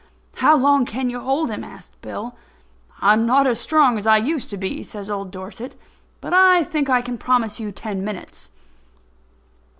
"How long can you hold him?" asks Bill. "I'm not as strong as I used to be," says old Dorset, "but I think I can promise you ten minutes."